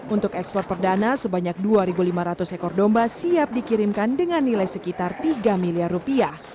untuk ekspor perdana sebanyak dua lima ratus ekor domba siap dikirimkan dengan nilai sekitar tiga miliar rupiah